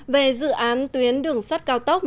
về dự án tuyến đường sắt cao tốc